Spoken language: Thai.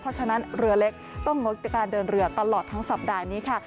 เพราะฉะนั้นเรือเล็กต้องงดการเดินเรือตลอดทั้งสัปดาห์นี้ค่ะ